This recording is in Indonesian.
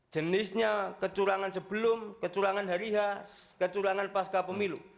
jenisnya kecurangan sebelum kecurangan hari h kecurangan pasca pemilu